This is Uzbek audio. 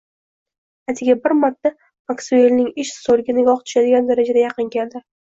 Atigi bir marta Maksuelning ish stoliga nigoh tushadigan darajada yaqin keldi